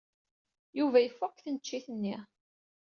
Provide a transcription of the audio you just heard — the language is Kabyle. Yuba yeffeɣ seg tneččit-nni.